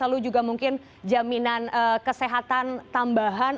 lalu juga mungkin jaminan kesehatan tambahan